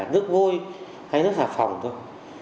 nước vôi hay nước xà phòng thôi